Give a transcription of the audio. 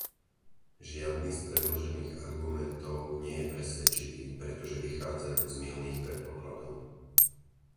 Žiadny z predložených argumentov nie je presvedčivý, pretože vychádzajú z mylných predpokladov.